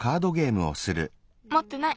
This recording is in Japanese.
もってない。